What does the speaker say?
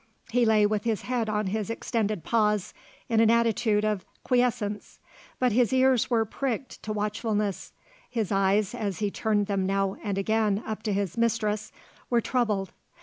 He lay with his head on his extended paws in an attitude of quiescence; but his ears were pricked to watchfulness, his eyes, as he turned them now and again up to his mistress, were troubled.